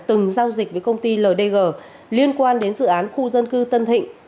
từng giao dịch với công ty ldg liên quan đến dự án khu dân cư tân thịnh